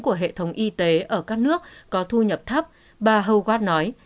của hệ thống y tế ở các nước có thu nhập thấp bà hau quát nói